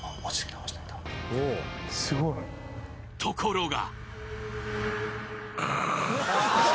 ［ところが］